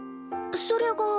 それが。